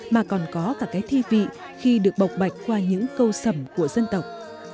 mà còn có cả cái thi vị khi được bọc bạch qua những câu sầm của dân tộc